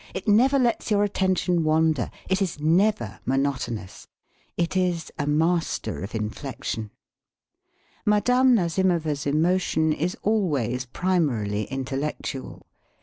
It never lets your attention wander. It is never monotonous. It is a master of inflection. Madame Nazimova's emotion is always primarily intellectual.